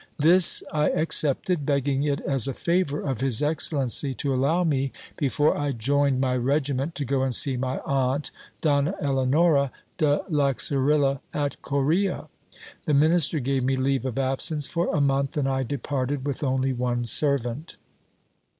This I accepted, begging it as a favour of his excellency to allow me, before I joined my regiment, to go and see my aunt, Donna Eleonora de Laxarilla, at Coria. The minister gave me leave of absence for a month, and I departed with only one servant.